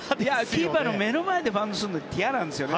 キーパーの目の前でバウンドするのって嫌なんですよね。